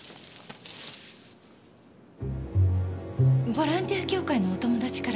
ボランティア協会のお友達から。